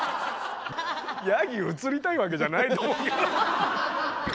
ヤギ映りたいわけじゃないと思うけど。